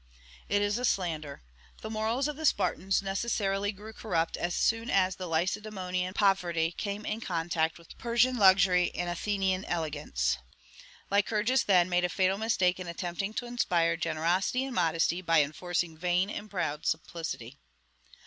It is a slander. The morals of the Spartans necessarily grew corrupt as soon as the Lacedaemonian poverty came in contact with Persian luxury and Athenian elegance. Lycurgus, then, made a fatal mistake in attempting to inspire generosity and modesty by enforcing vain and proud simplicity.